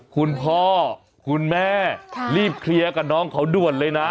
คุณพ่อคุณแม่รีบเคลียร์กับน้องเขาด่วนเลยนะ